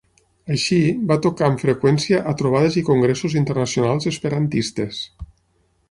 Així, va tocar amb freqüència a trobades i congressos internacionals esperantistes.